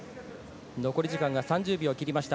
残り時間が３０秒を切りました。